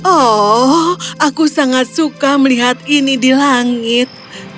oh aku sangat suka melihat ini di langit